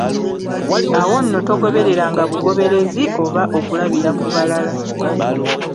Awo nno togobereranga bugoberezi, oba okulabira ku balala.